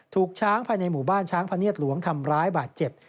ถูกช้างภายในหมู่บ้านช้างพะเนียดหลวงทำร้ายบาดเจ็บ